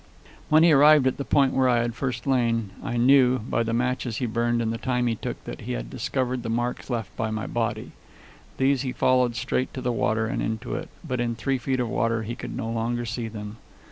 When he arrived at the point where I had first lain, I knew, by the matches he burned and the time he took, that he had discovered the marks left by my body. These he followed straight to the water and into it, but in three feet of water he could no longer see them.